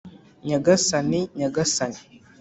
nyagasani! nyagasani!